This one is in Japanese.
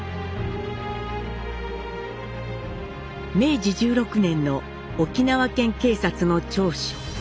明治１６年の沖縄県警察の調書。